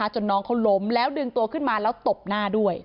จนน้องเขาล้มแล้วดึงตัวขึ้นมาแล้วตบหน้าด้วย